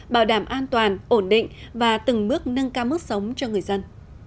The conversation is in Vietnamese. bảo đảm an toàn ổn định và từng bước nâng cao mức sống cho người dân